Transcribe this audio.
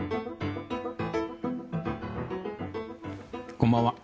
こんばんは。